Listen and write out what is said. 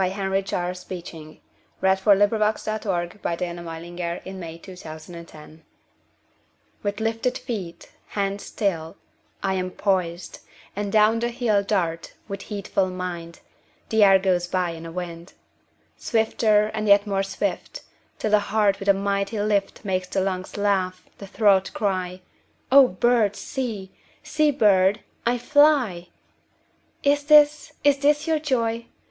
Henry Charles Beeching. 1859–1919 856. Going down Hill on a Bicycle A BOY'S SONG WITH lifted feet, hands still, I am poised, and down the hill Dart, with heedful mind; The air goes by in a wind. Swifter and yet more swift, 5 Till the heart with a mighty lift Makes the lungs laugh, the throat cry:— 'O bird, see; see, bird, I fly. 'Is this, is this your joy?